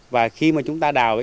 và khi chúng ta đào